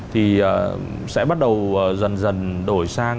thì sẽ bắt đầu dần dần đổi sang